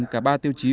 cả ba tiêu chí